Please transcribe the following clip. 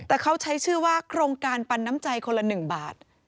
แต่เขาใช้ชื่อว่าโครงการปันน้ำใจคนละ๑บาท